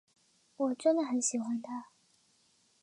我真的很喜欢他。